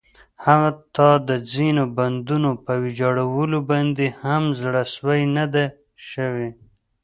حتٰی د ځینو بندونو په ویجاړولو باندې هم زړه سوی نه ده شوی.